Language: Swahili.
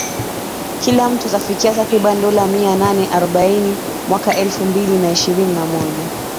kila mtu atafikia takriban dola mia nane arobaini mwaka elfu mbili na ishirini na moja